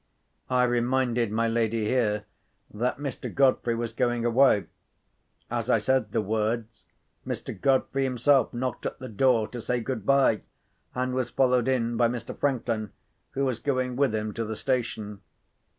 I reminded my lady here that Mr. Godfrey was going away. As I said the words, Mr. Godfrey himself knocked at the door to say good bye, and was followed in by Mr. Franklin, who was going with him to the station.